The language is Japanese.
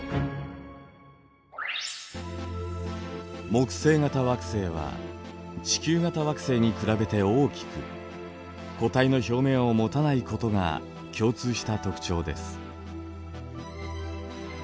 木星型惑星は地球型惑星に比べて大きく固体の表面を持たないことが共通した特徴です。